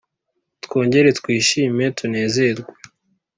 twongere twishime tunezerwe